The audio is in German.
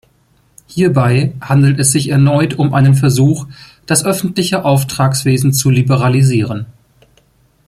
Hierbei handelt es sich erneut um einen Versuch, das öffentliche Auftragswesen zu liberalisieren.